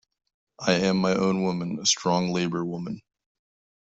I am my own woman, a strong Labour woman.